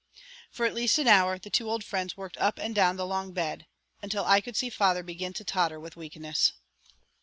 For at least an hour the two old friends worked up and down the long bed, until I could see father begin to totter with weakness.